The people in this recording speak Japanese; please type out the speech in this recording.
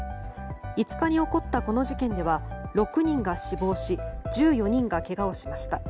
５日に起こったこの事件では６人が死亡し１４人がけがをしました。